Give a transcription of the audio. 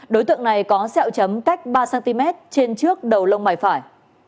đối tượng này có xẹo chấm cách ba cm trên trước đầu lông bài phải